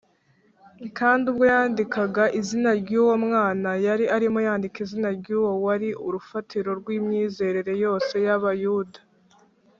kandi ubwo yandikaga izina ry’uwo mwana, yari arimo yandika izina ry’Uwo wari urufatiro rw’imyizerere yose y’Abayuda